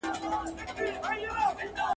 خدای ورکړی وو شهپر د الوتلو ,